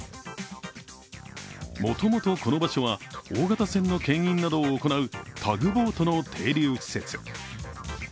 もともとこの場所は大型船のけん引などを行うタグボートの停留施設。